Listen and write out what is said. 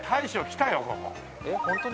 えっホントに？